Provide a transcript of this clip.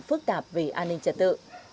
phức tạp về an ninh trật tự